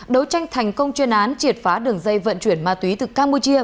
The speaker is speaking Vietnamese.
đấu tranh thành công chuyên án triệt phá đường dây vận chuyển ma túy từ campuchia